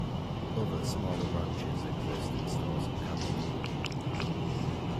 Other smaller branches exist in Storrs and Canton.